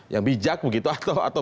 yang bijak begitu atau